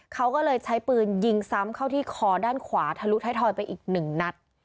เขาก็เลยใช้ปืนยิงซ้ำเข้าที่คอด้านขวาทะลุท้ายทอยไปอีกหนึ่งนัด